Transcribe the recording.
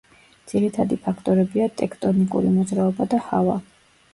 ძირითადი ფაქტორებია ტექტონიკური მოძრაობა და ჰავა.